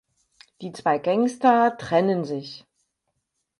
Die zwei Gangster trennen sich.